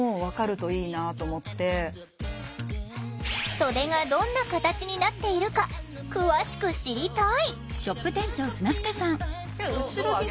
袖がどんな形になっているか詳しく知りたい！